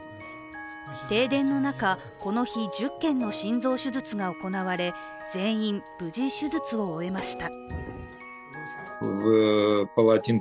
停電の中、この日、１０件の心臓手術が行われ全員、無事に手術を終えました。